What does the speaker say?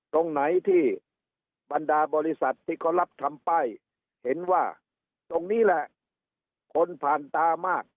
ตรงไหนที่บรรดาบริษัทที่เขารับทำป้ายเห็นว่าตรงนี้แหละคนผ่านตามาก